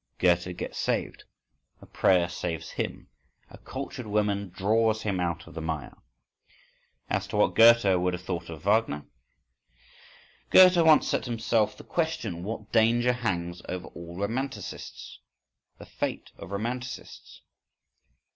Goethe gets saved: a prayer saves him, a cultured woman draws him out of the mire. —As to what Goethe would have thought of Wagner?—Goethe once set himself the question, "what danger hangs over all romanticists—the fate of romanticists?"